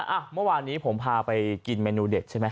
อ่ะเมื่อวานนี้ผมพาไปกินเมนูเด็ดใช่ไหม